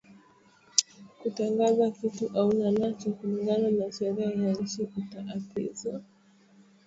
Kutangaza kitu auna nacho kulingana na sheria ya inchi uta apizwa